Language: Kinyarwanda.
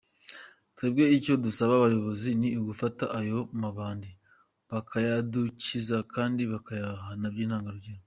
Twebwe icyo twasaba ubuyobozi ni ugufata ayo mabandi bakayadukiza kandi bakayahana by’intangarugero.